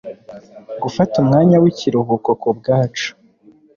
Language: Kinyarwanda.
gufata umwanya w'ikiruhuko ku bwacu